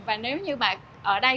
và nếu như bạn ở đây